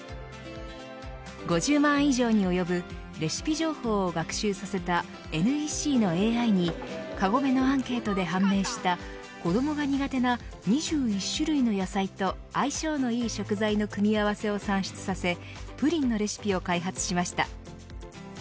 ５０万以上に及ぶレシピ情報を学習させたＮＥＣのＡＩにカゴメのアンケートで判明した子どもが苦手な２１種類の野菜と相性のいい食材の組み合わせを算出させプリンのレシピを開発しました。